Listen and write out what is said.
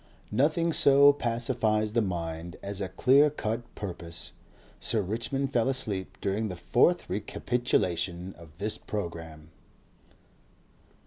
Nothing so pacifies the mind as a clear cut purpose. Sir Richmond fell asleep during the fourth recapitulation of this programme.